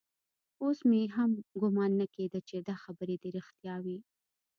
اوس مې هم ګومان نه کېده چې دا خبرې دې رښتيا وي.